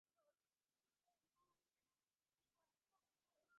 দৃষ্টান্তস্বরূপ মুসলমান ধর্মের কথাই ধরুন।